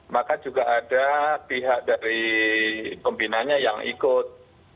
maka juga ada pihak dari pembinanya yang ikut